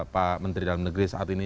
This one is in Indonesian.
pak menteri dalam negeri saat ini